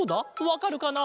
わかるかな？